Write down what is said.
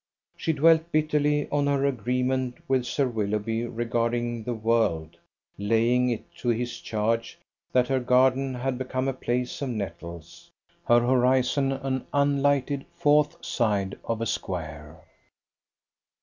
She dwelt bitterly on her agreement with Sir Willoughby regarding the world, laying it to his charge that her garden had become a place of nettles, her horizon an unlighted fourth side of a square.